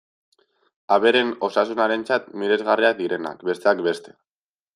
Abereen osasunarentzat miresgarriak direnak, besteak beste.